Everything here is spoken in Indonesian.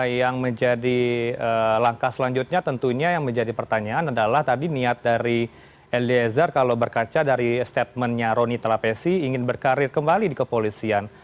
yang menjadi langkah selanjutnya tentunya yang menjadi pertanyaan adalah tadi niat dari eliezer kalau berkaca dari statementnya roni telapesi ingin berkarir kembali di kepolisian